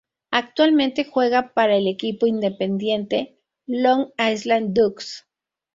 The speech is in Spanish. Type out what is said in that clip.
Actualmente juega para el equipo independiente "Long Island Ducks".